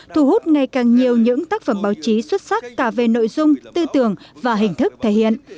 thu hút ngày càng nhiều những tác phẩm báo chí xuất sắc cả về nội dung tư tưởng và hình thức thể hiện